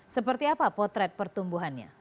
seperti apa potret pertumbuhannya